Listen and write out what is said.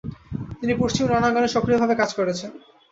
তিনি পশ্চিম রণাঙ্গনে সক্রিয়ভাবে কাজ করেছেন।